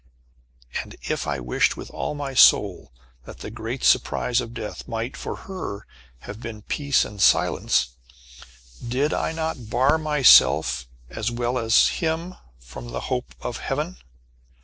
And, if I wished with all my soul, that the great surprise of death might, for her, have been peace and silence, did I not bar myself as well as him from the hope of Heaven?